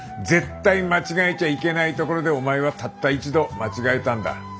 絶対間違えちゃいけないところでお前はたった一度間違えたんだ。